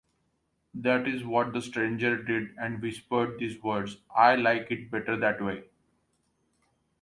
That is what the stranger did and whispered these words: “I like it better that way.”